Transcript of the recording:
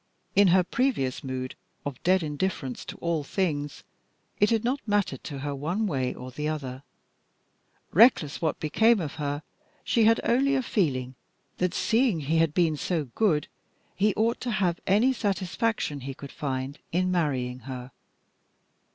In her previous mood of dead indifference to all things, it had not mattered to her one way or the other. Reckless what became of her, she had only a feeling that seeing he had been so good he ought to have any satisfaction he could find in marrying her.